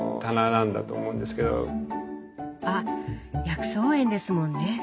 あ薬草園ですもんね！